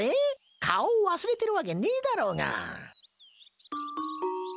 顔を忘れてるわけねえだろうが。